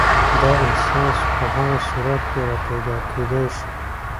دا احساس په هغه صورت کې راپیدا کېدای شي.